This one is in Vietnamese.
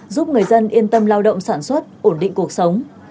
giúp người dân yên tâm lao động sản xuất ổn định cuộc sống